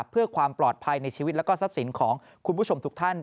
เพื่อความปลอดภัยในชีวิตและทรัพย์สินของคุณผู้ชมทุกท่าน